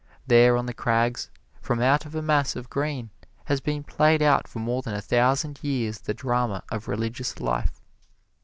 There on the crags, from out of a mass of green, has been played out for more than a thousand years the drama of religious life.